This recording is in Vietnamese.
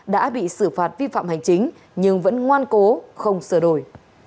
đã bị xử phạt vi phạm hành chính nhưng vẫn ngoan cố không sửa đổi